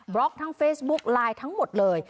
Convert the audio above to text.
ล็อกทั้งเฟซบุ๊กไลน์ทั้งหมดเลย